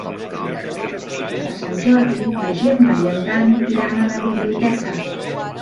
Per Sant Jordi na Gemma i en Dan iran a la biblioteca.